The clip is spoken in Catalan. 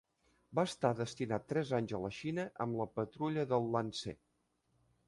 Va estar destinat tres anys a la Xina amb la patrulla del Iantsé.